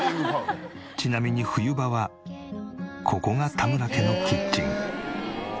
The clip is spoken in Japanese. ちなみに冬場はここが田村家のキッチン。